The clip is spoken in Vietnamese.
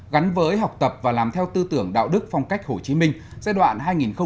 gắn với học tập và làm theo tư tưởng đạo đức phong cách hồ chí minh giai đoạn hai nghìn một mươi bốn hai nghìn một mươi chín